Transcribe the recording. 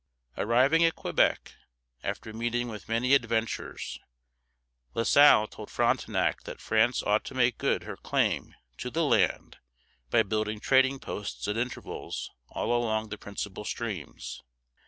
Arriving at Quebec, after meeting with many adventures, La Salle told Frontenac that France ought to make good her claim to the land by building trading posts at intervals all along the principal streams.